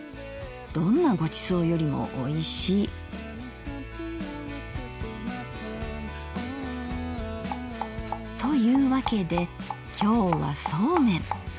どんなご馳走よりもおいしい」。というわけで今日はそうめん。